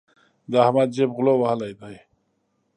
د احمد جېب غلو وهلی دی.